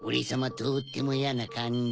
とってもやなかんじ。